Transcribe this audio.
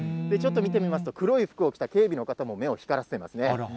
ちょっと見てみますと、黒い服を着た警備の方も目を光らせてますね。